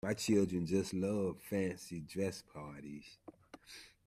My children just love fancy dress parties